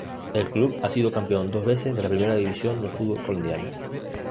El club ha sido campeón dos veces de la primera división del fútbol colombiano.